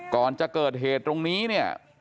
ก่อนจะเกิดเหตุตรงนี้